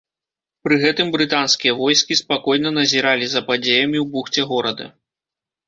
Пры гэтым брытанскія войскі спакойна назіралі за падзеямі ў бухце горада.